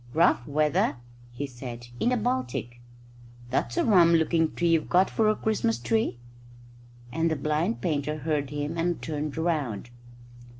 "Rough weather," he said, "in the Baltic. That's a rum looking tree you've got for a Christmas tree," and the blind painter heard him and turned round.